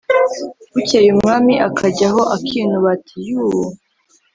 bukeye umwami akajya aho akinuba ati ‘yuu!